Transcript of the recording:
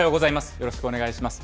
よろしくお願いします。